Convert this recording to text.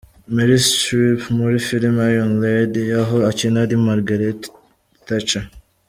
Merry Streep muri filime Iron Lady aho akina ari Margaret Thatcher.